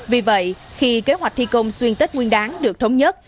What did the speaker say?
vì vậy khi kế hoạch thi công xuyên tết nguyên đáng được thống nhất